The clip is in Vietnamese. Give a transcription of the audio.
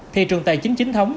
thì trường tài chính chính thống